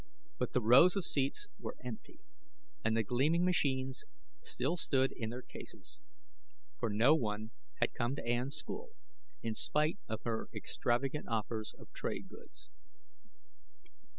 But the rows of seats were empty, and the gleaming machines still stood in their cases. For no one had come to Ann's school, in spite of her extravagant offers of trade goods.